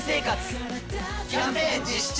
キャンペーン実施中！